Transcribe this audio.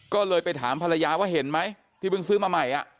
ก็เลยไปถามภรรยาว่าเห็นไหมที่เพิ่งซื้อมาใหม่